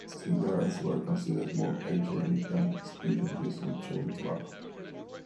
Cigarettes were considered more hygienic than spit-inducing chewing tobacco.